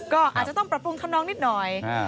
ก็อาจจะต้องปรับปรุงทำนองนิดหน่อย